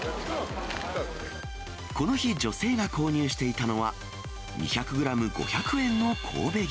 この日、女性が購入していたのは、２００グラム５００円の神戸牛。